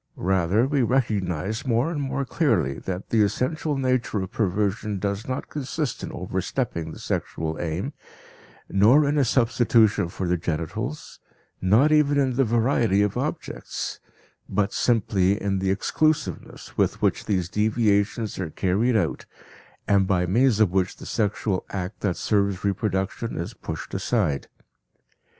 Rather, we recognize more and more clearly that the essential nature of perversion does not consist in overstepping the sexual aim, nor in a substitution for the genitals, not even in the variety of objects, but simply in the exclusiveness with which these deviations are carried out and by means of which the sexual act that serves reproduction is pushed aside.